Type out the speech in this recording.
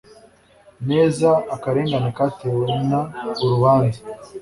neza akarengane katewe n urubanza